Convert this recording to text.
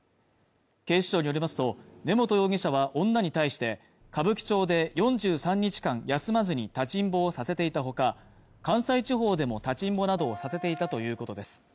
警視庁によりますと根本容疑者は女に対して歌舞伎町で４３日間休まずに立ちんぼをさせていたほか関西地方でも立ちんぼなどをさせていたということです